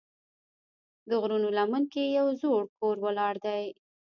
د غرونو لمن کې یو زوړ کور ولاړ دی.